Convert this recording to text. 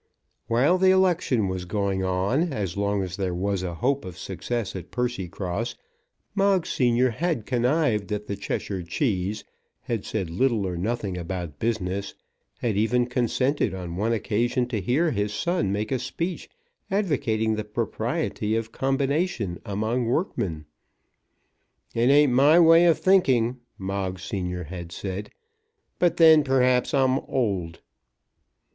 While the election was going on, as long as there was a hope of success at Percycross, Moggs senior had connived at the Cheshire Cheese, had said little or nothing about business, had even consented on one occasion to hear his son make a speech advocating the propriety of combination among workmen. "It ain't my way of thinking," Moggs senior had said; "but then, perhaps, I'm old."